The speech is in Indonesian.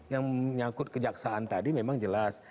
yang menyangkut kejaksaan tadi memang jelas